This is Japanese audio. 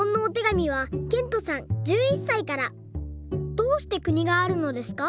「どうして国があるのですか？